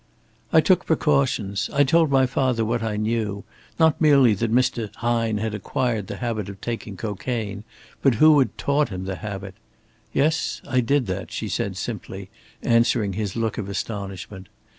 "I took precautions. I told my father what I knew not merely that Mr. Hine had acquired the habit of taking cocaine, but who had taught him the habit. Yes, I did that," she said simply, answering his look of astonishment.